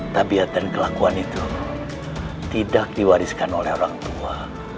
tapiat dan kelakuan itu tidak diwariskan oleh orang tua